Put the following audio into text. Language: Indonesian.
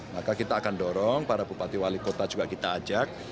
maka kita akan dorong para bupati wali kota juga kita ajak